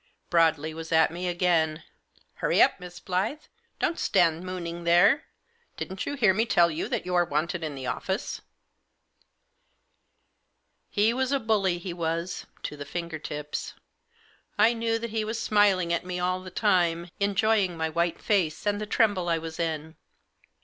Broadley was at me again. * Hurry up, Miss Blyth, don't stand mooning there. Didn't you hear me tell you that you are wanted in the office ?" He was a bully, he was, to the finger tips. I knew that he was smiling at me all the time 5 enjoying my white face, and the tremble I was in.